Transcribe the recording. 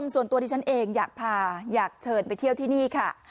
ส่วนตัวดิฉันเองอยากพาอยากเชิญไปเที่ยวที่นี่ค่ะ